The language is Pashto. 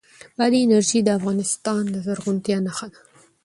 بادي انرژي د افغانستان د زرغونتیا نښه ده.